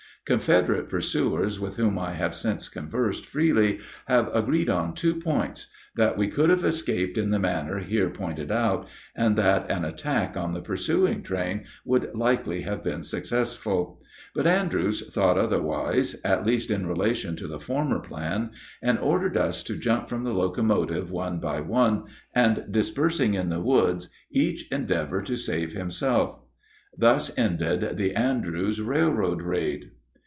Confederate pursuers with whom I have since conversed freely have agreed on two points that we could have escaped in the manner here pointed out, and that an attack on the pursuing train would likely have been successful. But Andrews thought otherwise, at least in relation to the former plan, and ordered us to jump from the locomotive one by one, and, dispersing in the woods, each endeavor to save himself. Thus ended the Andrews railroad raid.